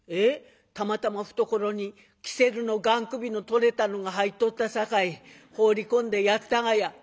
「たまたま懐に煙管のがん首の取れたのが入っとったさかい放り込んでやったがや」。